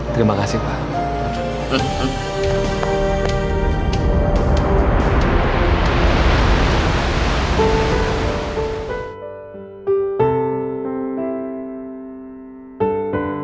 terima kasih pak